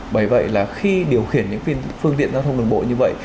bởi vậy là khi điều khiển những phương tiện giao thông đường bộ như vậy